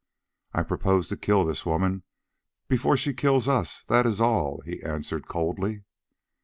"I propose to kill this woman before she kills us, that is all," he answered coldly.